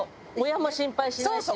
親も心配しないし。